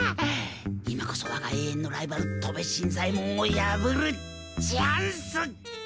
今こそわがえい遠のライバル戸部新左ヱ門をやぶるチャンス！